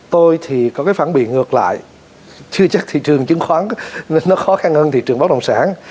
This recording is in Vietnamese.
tôi thì có cái phản biệt ngược lại chưa chắc thị trường chứng khoán nó khó khăn hơn thị trường bất đồng sản